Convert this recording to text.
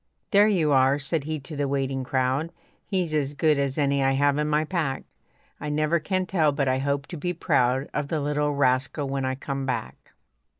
"There you are," said he to the waiting crowd, "He's as good as any I have in my pack. I never can tell, but I hope to be proud Of the little rascal when I come back."